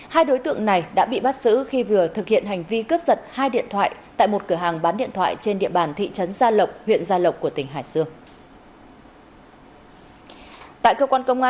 hai đối tượng này đã bị bắt xứ khi vừa thực hiện hành vi cấp giật hai điện thoại tại một cửa hàng bán điện thoại trên địa phương